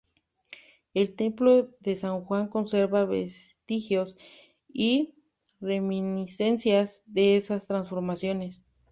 El templo de San Juan conserva vestigios y reminiscencias de esas transformaciones.